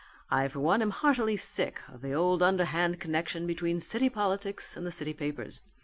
I for one am heartily sick of old underhand connection between city politics and the city papers.